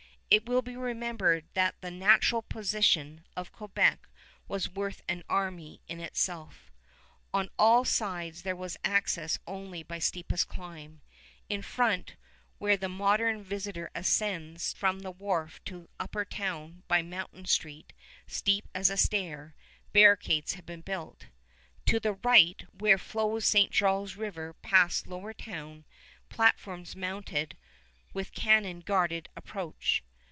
It will be remembered that the natural position of Quebec was worth an army in itself. On all sides there was access only by steepest climb. In front, where the modern visitor ascends from the wharf to Upper Town by Mountain Street steep as a stair, barricades had been built. To the right, where flows St. Charles River past Lower Town, platforms mounted with cannon guarded approach.